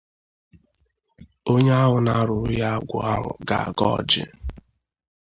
onye ahụ na-arụrụ ya agwụ ahụ ga-agọ ọjị